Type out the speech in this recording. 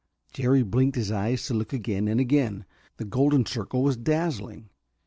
Jerry blinked his eyes to look again and again; the golden circle was dazzling.